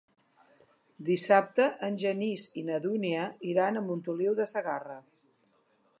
Dissabte en Genís i na Dúnia iran a Montoliu de Segarra.